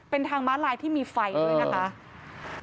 เป็นทางม้าลายที่มีไฟด้วยนะคะ